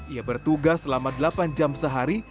ia bertugas selama delapan jam sehari